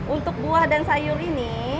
untuk buah dan sayur ini